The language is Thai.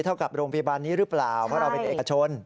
เท่ากับโรงพยาบาลนี้หรือเปล่าเพราะเราเป็นเอกชน